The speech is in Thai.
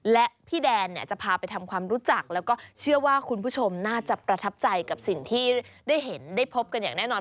และพี่แดนเนี่ยจะพาไปทำความรู้จักแล้วก็เชื่อว่าคุณผู้ชมน่าจะประทับใจกับสิ่งที่ได้เห็นได้พบกันอย่างแน่นอน